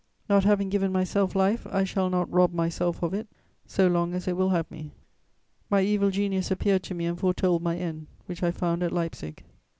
"Not having given myself life, I shall not rob myself of it, so long as it will have me." "My evil genius appeared to me and foretold my end, which I found at Leipzig."